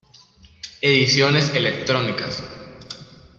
Ediciones electrónicas